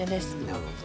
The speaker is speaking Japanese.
なるほど。